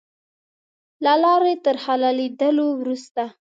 له لارې تر حلالېدلو وروسته.